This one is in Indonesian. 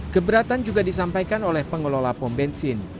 keberatan juga disampaikan oleh pengelola pom bensin